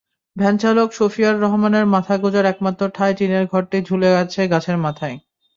ভ্যানচালক শফিয়ার রহমানের মাথা গোঁজার একমাত্র ঠাঁই টিনের ঘরটি ঝুলে আছে গাছের মাথায়।